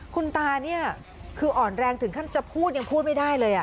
คุณตานี่คืออ่อนแรงถึงขั้นจะพูดยังพูดไม่ได้เลย